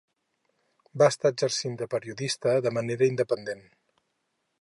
Va estar exercint de periodista de manera independent.